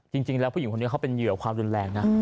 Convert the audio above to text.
จริงแล้วผู้หญิงคนนี้เขาเป็นเหยื่อความรุนแรงนะ